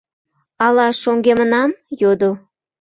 «Ала шоҥгемынам?» — йодо.